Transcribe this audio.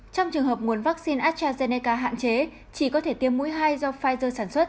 trong trường hợp nguồn vaccine astrazeneca hạn chế chỉ có thể tiêm mũi hai do pfizer sản xuất